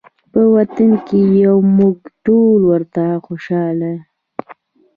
په وطن کې یو مونږ ټول ورته خوشحاله